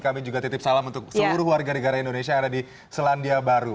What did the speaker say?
kami juga titip salam untuk seluruh warga negara indonesia yang ada di selandia baru